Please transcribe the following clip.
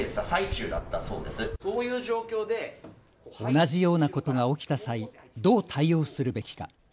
同じようなことが起きた際、どう対応するべきか。